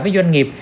với doanh nghiệp